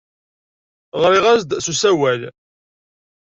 Ɣriɣ-as-d s usawal.